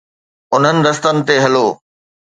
انهن رستن تي هلو.